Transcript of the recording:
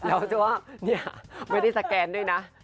แล้วจะว่าเนี่ยไม่ได้สแกนด้วยนะ